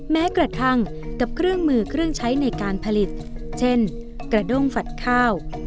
แม้กระทั่งกับเครื่องมือเครื่องใช้ในการผลิตเช่นกระด้งฝัดข้าว